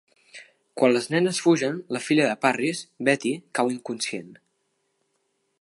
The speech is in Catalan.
Quan les nenes fugen, la filla de Parris, Betty, cau inconscient.